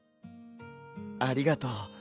ありがとう。